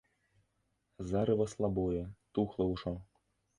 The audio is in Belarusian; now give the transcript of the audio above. Зарыва слабое, тухла ўжо.